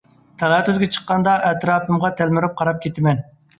تالا-تۈزگە چىققاندا ئەتراپىمغا تەلمۈرۈپ قاراپ كىتىمەن.